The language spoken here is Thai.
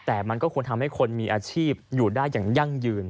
แต่มันก็ควรทำให้คนมีอาชีพอยู่ได้อย่างยั่งยืน